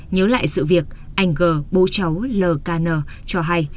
nhớ lại sự việc anh g bố cháu l k n cho hay